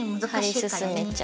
貼り進めちゃう。